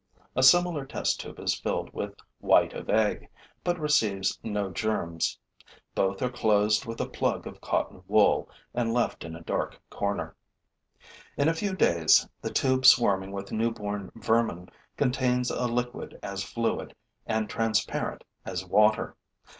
A similar test tube is filled with white of egg, but receives no germs. Both are closed with a plug of cotton wool and left in a dark corner. In a few days, the tube swarming with newborn vermin contains a liquid as fluid and transparent as water.